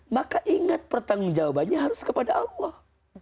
maka ingat pertanggung jawabannya harus kepada allah